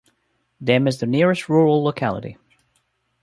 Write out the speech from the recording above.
Dim is the nearest rural locality.